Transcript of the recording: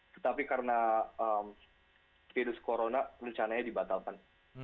tetapi karena virus corona rencananya dibatalkan